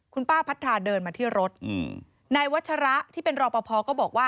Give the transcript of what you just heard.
คุณป้าพัทราเดินมาที่รถนายวัชระที่เป็นรอปภก็บอกว่า